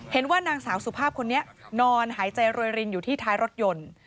เห็นว่านางสาวสุภาพคนนี้นอนหายใจโรยรินอยู่ที่ท้ายรถยนต์